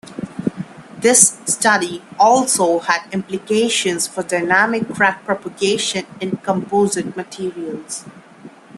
This study also had implications for dynamic crack propagation in composite materials.